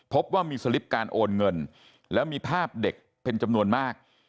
พบว่ามีสลิปการโอนเงินแล้วมีภาพเด็กเป็นจำนวนมาก